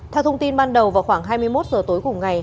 theo thông tin ban đầu vào khoảng hai mươi một giờ tối cùng ngày